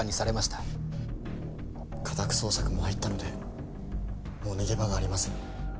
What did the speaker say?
家宅捜索も入ったのでもう逃げ場がありません。